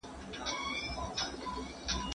دښمن د هغه د هوښیارۍ پر وړاندې هیڅ چانس ونه درلود.